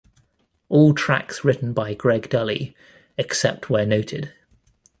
All tracks written by Greg Dulli except where noted.